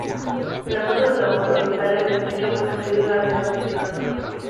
El asunto de la boca oriental del estrecho fue incluido en las negociaciones.